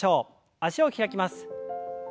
脚を開きます。